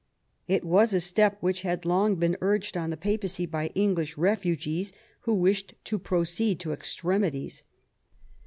It was a step which had long been urged on the Papacy by English refugees, who wished to proceed to extremities.